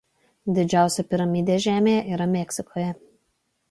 Didžiausia piramidė Žemėje yra Meksikoje.